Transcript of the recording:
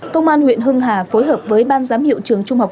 công an huyện hưng hà phối hợp với ban giám hiệu trường trung học